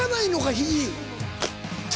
肘。